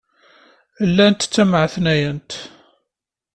Llant ttemɛetnayent.